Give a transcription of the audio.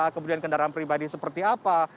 kemudian kendaraan pribadi seperti apa